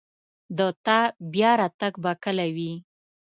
د تا بیا راتګ به کله وي